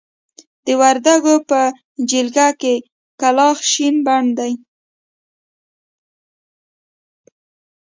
د وردکو په جلګه کې کلاخ شين بڼ دی.